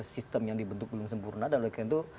sistem yang dibentuk belum sempurna dan oleh karena itu